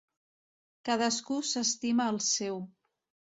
Cadascú s'estima el seu.